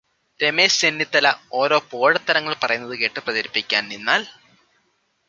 രമേശ് ചെന്നിത്തല ഓരോ പോഴത്തരങ്ങൾ പറയുന്നത് കേട്ട് പ്രചരിപ്പിക്കാൻ നിന്നാൽ